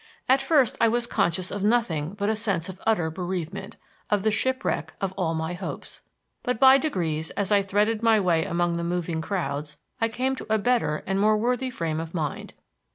At first I was conscious of nothing but a sense of utter bereavement, of the shipwreck of all my hopes. But, by degrees, as I threaded my way among the moving crowds, I came to a better and more worthy frame of mind.